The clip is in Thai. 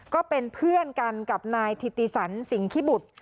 ก็เป็นเพื่อนกันกับนายถิติสันสิงคิบุตร